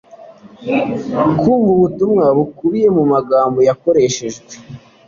kumva ubutumwa bukubiye mu magambo yakoreshejwe.